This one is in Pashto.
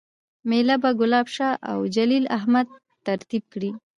میله به ګلاب شاه اوجلیل احمد ترتیب کړي